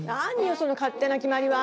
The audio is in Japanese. その勝手な決まりは。